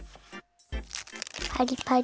パリパリ。